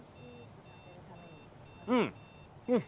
うん、うん。